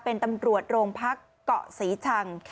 เป็นตำรวจโรงพักเกาะศรีชัง